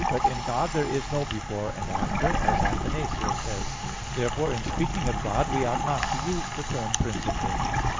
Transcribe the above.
But in God there is no "before" and "after," as Athanasius says. Therefore in speaking of God we ought not to used the term principle.